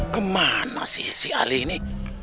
kemana si ali ini